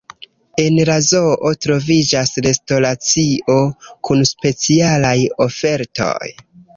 En la zoo troviĝas restoracio kun specialaj ofertoj.